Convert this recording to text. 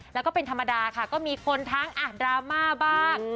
แล้วก็เป็นธรรมดาค่ะก็มีคนทั้งดราม่าบ้าง